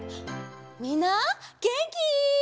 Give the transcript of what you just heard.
みんなげんき？